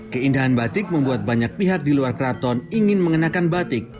keindahan batik membuat banyak pihak di luar keraton ingin mengenakan batik